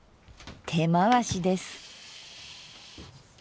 手回しです。